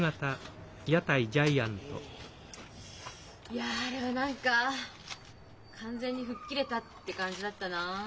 いやあれは何か完全に吹っ切れたって感じだったなあ。